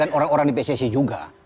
dan orang orang di pcc juga